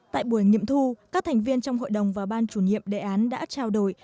tại buổi nghiệm thu các thành viên trong hội đồng và ban chủ nhiệm đề án đã trao đổi